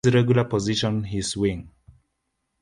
His regular position is wing.